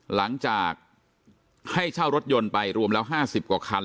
หลังจากให้เช่ารถยนต์ไปรวมแล้ว๕๐กว่าคัน